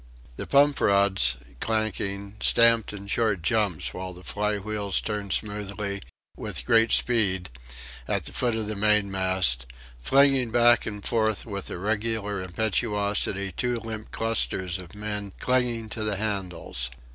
The pump rods, clanking, stamped in short jumps while the fly wheels turned smoothly, with great speed, at the foot of the mainmast, flinging back and forth with a regular impetuosity two limp clusters of men clinging to the handles.